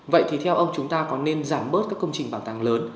vậy thì theo ông chúng ta có nên giảm bớt các công trình bảo tàng lớn